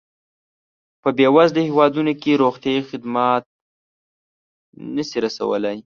په بېوزله هېوادونو کې روغتیایي خدمات نه شي رسولای.